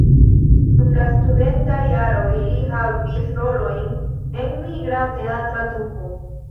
Dum la studentaj jaroj li havis rolojn en migra teatra trupo.